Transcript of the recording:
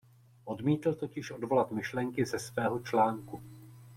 Odmítl totiž odvolat myšlenky ze svého článku.